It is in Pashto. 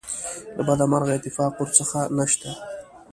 له بده مرغه اتفاق ورڅخه نشته.